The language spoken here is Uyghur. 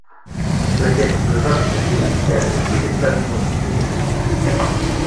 لېكىن قىزلار ئۈچۈن ئويۇنكەن، يىگىتلەرنى ئوتتا كۆيدۈرۈش.